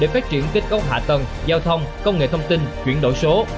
phát triển kết cấu hạ tầng giao thông công nghệ thông tin chuyển đổi số